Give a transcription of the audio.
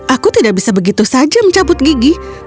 aku tidak bisa begitu saja mencabut gigi